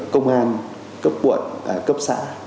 công an cấp quận cấp xã